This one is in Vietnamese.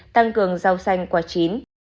tăng cường rau xanh quả chín